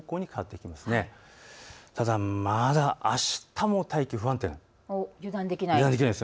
ただまだ、あしたも大気不安定です。